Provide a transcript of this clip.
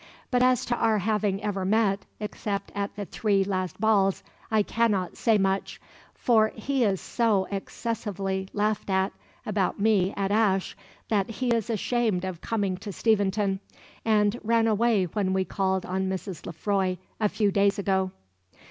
But as to our having ever met, except at the three last balls, I cannot say much; for he is so excessively laughed at about me at Ashe, that he is ashamed of coming to Steventon, and ran away when we called on Mrs. Lefroy a few days ago."